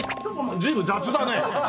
随分雑だね。